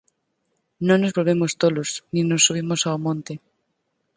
Non nos volvemos tolos, nin nos subimos ao monte.